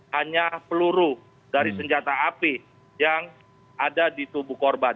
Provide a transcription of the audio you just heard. hanya peluru dari senjata api yang ada di tubuh korban